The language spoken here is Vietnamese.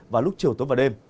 vào lúc chiều tối và đêm